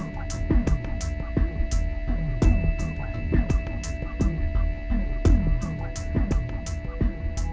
โปรดติดตามตอนต่อไป